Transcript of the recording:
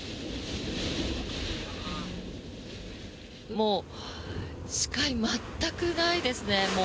もう視界が全くないですね。